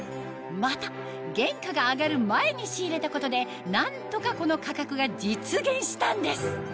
また原価が上がる前に仕入れたことで何とかこの価格が実現したんです